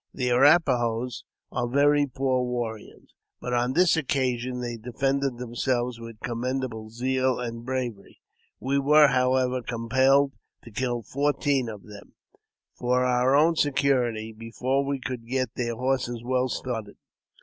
The Arrap a iaos are very poor warriors, but on this occasion they defended themselves with commendable zeal and bravery. We were, however, compelled to kill fourteen of them, for our own security, before we could get their horses well started.